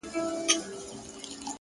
پرمختګ له عادتونو پیلېږي؛